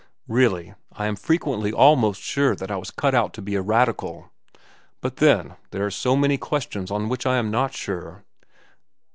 Really, I am frequently almost sure that I was cut out to be a radical. But then, there are so many questions on which I am not sure.